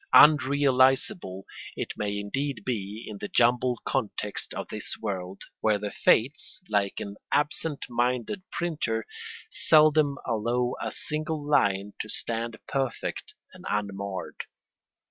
Unrealisable it may indeed be in the jumbled context of this world, where the Fates, like an absent minded printer, seldom allow a single line to stand perfect and unmarred.